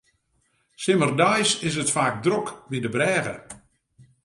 Simmerdeis is it faak drok by de brêge.